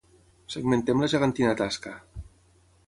Segmentem la gegantina tasca.